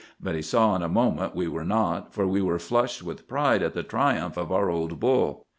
But he saw in a moment we were not, for we were flushed with pride at the triumph of our old bull.